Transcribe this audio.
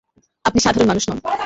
আপনি সাধারণ মানুষ নন।